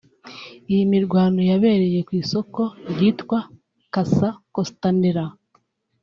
Iyi mirwano yabereye ku isoko ryitwa Casa Costanera